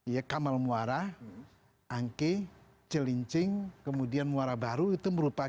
ya kamal muara angke celincing kemudian muara baru itu merupakan